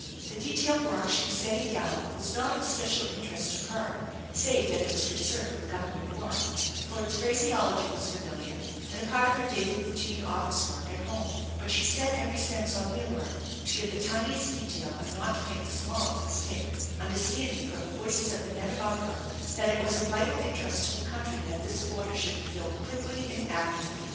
The detail work she was setting down was not of especial interest to her, save that it was concerned with Government work, for its phraseology was familiar and a part of her daily routine office work at home ; but she set every sense on the alert to get the tiniest detail and not to make the smallest mistake, understanding from the voices of the men about her that it was of vital interest to the country that this order should be filled quickly and accurately.